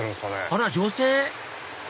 あら女性？